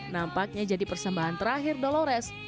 nampaknya jadi persembahan terakhir dolores